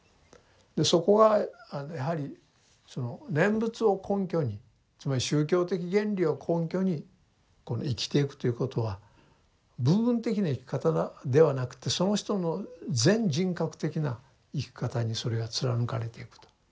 そこがやはりその念仏を根拠につまり宗教的原理を根拠に生きていくということは部分的な生き方ではなくてその人の全人格的な生き方にそれが貫かれていくと。